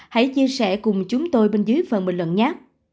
hãy chia sẻ cùng chúng tôi bên dưới phần bình luận nhát